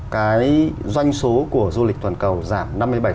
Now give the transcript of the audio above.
cái doanh số của du lịch toàn cầu giảm năm mươi bảy